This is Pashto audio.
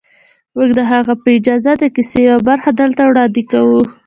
موږ د هغه په اجازه د کیسې یوه برخه دلته وړاندې کوو